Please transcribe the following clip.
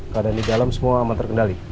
karena di dalam semua aman terkendali